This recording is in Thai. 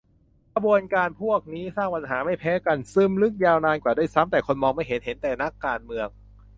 กระบวนการพวกนี้ สร้างปัญหาไม่แพ้กัน ซึมลึกยาวนานกว่าด้วยซ้ำ แต่คนมองไม่เห็น เห็นแต่ "นักการเมือง"